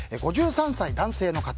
５３歳、男性の方。